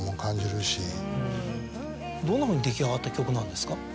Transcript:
どんなふうに出来上がった曲なんですか？